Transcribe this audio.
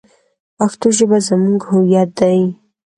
پښتو ژبه زموږ هویت دی.